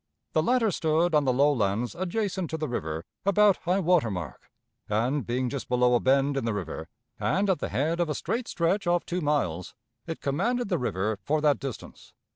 The latter stood on the low lands adjacent to the river about high water mark, and, being just below a bend in the river and at the head of a straight stretch of two miles, it commanded the river for that distance.